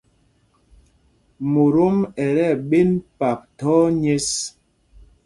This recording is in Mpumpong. Motom ɛ tí ɛɓēn pâp thɔ̄ɔ̄ nyěs.